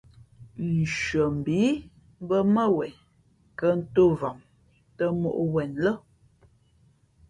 Nshʉαmbhǐ mbᾱ mά wen kα̌ ntōm vam tᾱ mǒʼ wzen lά.